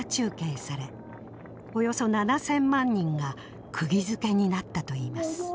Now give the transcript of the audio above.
およそ７，０００万人がくぎづけになったといいます。